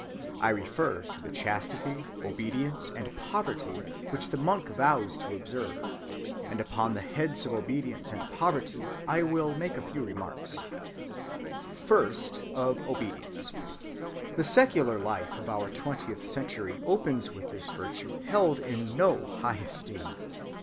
I refer to the chastity, obedience, and poverty which the monk vows to observe; and upon the heads of obedience and poverty I will make a few remarks. ‐‐‐‐‐‐‐‐‐‐‐‐‐‐‐‐‐‐‐‐‐‐‐‐‐‐‐‐‐‐‐‐‐‐‐‐‐ First, of Obedience. The secular life of our twentieth century opens with this virtue held in no high esteem.